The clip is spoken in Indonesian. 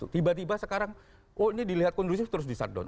tiba tiba sekarang oh ini dilihat kondusif terus disatdown